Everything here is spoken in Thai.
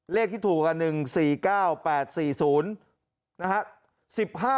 เลขที่ถูก๑๔๙๘๔๐นะฮะ